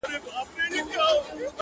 جرس فرهاد زما نژدې ملگرى-